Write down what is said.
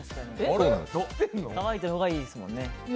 乾いてるほうがいいですよね。